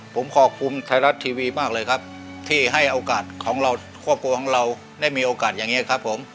ผมขอบคุณไทยรัฐทีวีมากเลยครับที่ให้โอกาสของเราครอบครัวของเราได้มีโอกาสอย่างนี้ครับผม